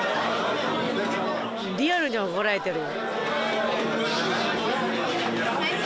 リアルに怒られてるよ。